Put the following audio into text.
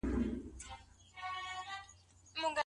څه وخت ملي سوداګر پرزې هیواد ته راوړي؟